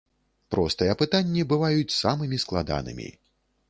Простыя пытанні бываюць самымі складанымі.